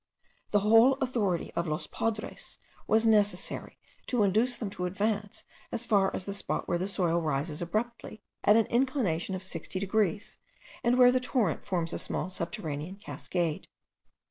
The whole authority of 'los padres' was necessary to induce them to advance as far as the spot where the soil rises abruptly at an inclination of sixty degrees, and where the torrent forms a small subterranean cascade.